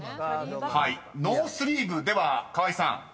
［「ノースリーブ」では河井さん